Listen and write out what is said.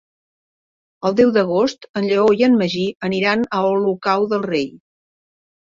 El deu d'agost en Lleó i en Magí aniran a Olocau del Rei.